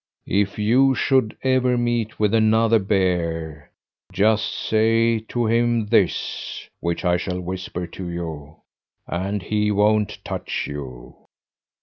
If you should ever meet with another bear, just say to him this which I shall whisper to you and he won't touch you."